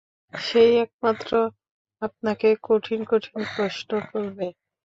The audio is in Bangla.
সে-ই একমাত্র আপনাকে কঠিন কঠিন প্রশ্ন করবে।